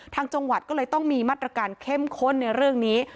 ทางจังหวัดก็เลยต้องมีมาตรการเข้มข้นในเรื่องนี้